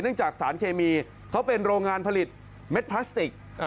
จากสารเคมีเขาเป็นโรงงานผลิตเม็ดพลาสติก